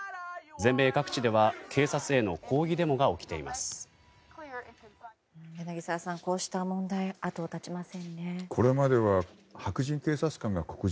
全米各地では警察への抗議デモが起きています。